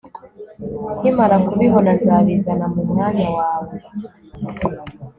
nkimara kubibona, nzabizana mu mwanya wawe